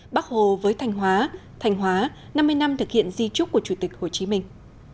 bắc hồ với thanh hóa thanh hóa năm mươi năm thực hiện di trúc của chủ tịch hồ chí minh